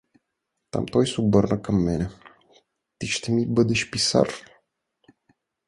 Там той се обърна към мене: — Ти ще ми бъдеш писар!